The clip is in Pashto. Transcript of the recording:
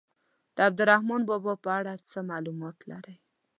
د عبدالرحمان بابا په اړه څه معلومات لرئ.